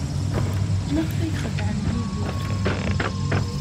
Maɣef ay xedɛen Yidir?